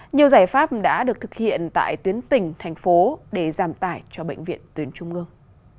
nhiều giải pháp đã được thực hiện tại tuyến tỉnh thành phố để giảm tải cho bệnh viện tuyến trung ương